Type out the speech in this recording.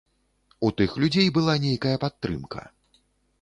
У тых людзей была нейкая падтрымка.